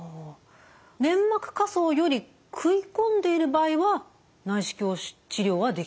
粘膜下層より食い込んでいる場合は内視鏡治療はできないということですか？